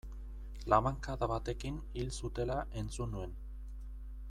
Labankada batekin hil zutela entzun nuen.